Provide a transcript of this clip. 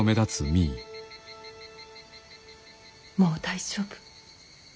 もう大丈夫。